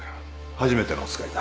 初めてのお使いだ。